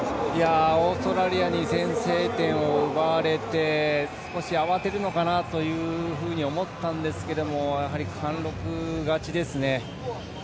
オーストラリアに先制点を奪われて少し慌てるのかな？というふうに思ったんですけどやはり貫禄勝ちですね。